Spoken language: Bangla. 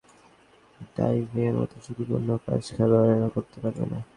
স্কিয়িং, মোটরসাইকেল চালানো, ডাইভিংয়ের মতো ঝুঁকিপূর্ণ কাজ খেলোয়াড়েরা করতে পারবে না।